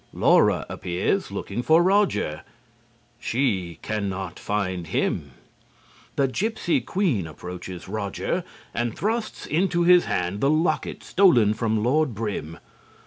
Laura appears, looking for Roger. She can not find him. The gypsy queen approaches Roger and thrusts into his hand the locket stolen from Lord Brym.